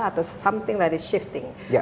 atau sesuatu yang berubah